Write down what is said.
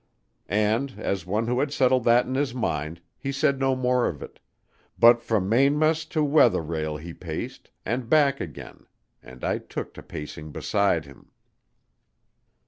And, as one who had settled that in his mind, he said no more of it, but from mainm'st to weather rail he paced, and back again, and I took to pacing beside him.